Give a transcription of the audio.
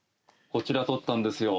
こちら撮ったんですよ。